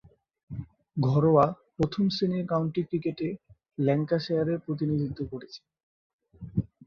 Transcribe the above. ঘরোয়া প্রথম-শ্রেণীর কাউন্টি ক্রিকেটে ল্যাঙ্কাশায়ারের প্রতিনিধিত্ব করেছেন।